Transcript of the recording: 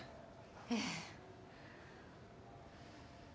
ええ。